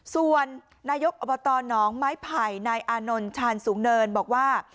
ส่วนนายกอบตหนองไม้ไผ่นายอานนท์ชาญสูงเนินบอกว่า